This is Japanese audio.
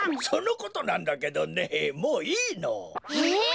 そのことなんだけどねもういいの。え？